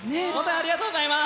ありがとうございます！